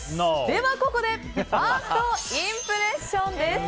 ではここでファーストインプレッションです。